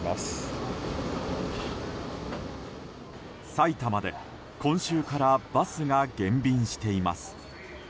埼玉で今週からバスが減便しています。